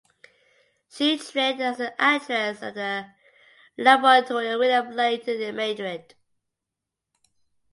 She trained as an actress at the Laboratorio William Layton in Madrid.